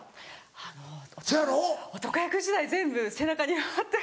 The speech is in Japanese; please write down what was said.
あの男役時代全部背中に。